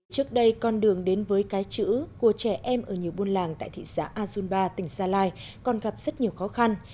trước đây con đường đến với cái chữ của trẻ em ở nhiều buôn làng tại thị xã azunba tỉnh gia lai còn gặp rất nhiều khó khăn